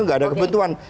enggak ada kebuntuan